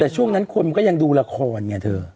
แต่ช่วงนั้นคนมันก็ยังดูละครไงเธอ